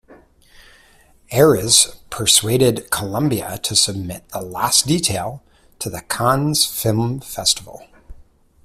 Ayres persuaded Columbia to submit "The Last Detail" to the Cannes Film Festival.